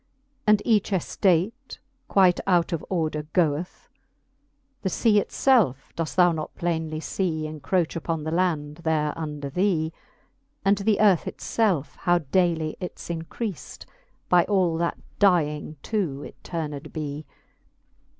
And each eftate quite out of order go'th ? The fea it felfe doeft thou not plainely fee Encroch upon the land there under thee ? And th'earth it felfe how daily its increaft, By all that dying to it turned be